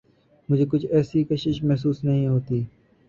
مجھے کچھ ایسی کشش محسوس نہیں ہوتی۔